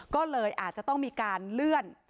ก็เลยอาจจะต้องมีการเลื่อน